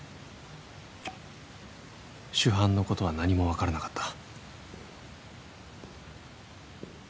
「主犯のことは何もわからなかった」